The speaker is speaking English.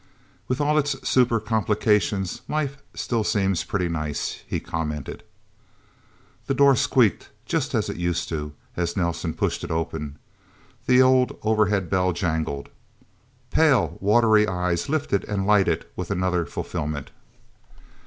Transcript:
"With all its super complications, life still seems pretty nice," he commented. The door squeaked, just as it used to, as Nelsen pushed it open. The old overhead bell jangled. Pale, watery eyes lifted and lighted with another fulfilment.